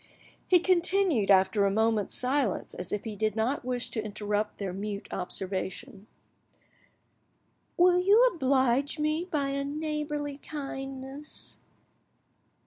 He continued after a moment's silence, as if he did not wish to interrupt their mute observation— "Will you oblige me by a neighbourly kindness?"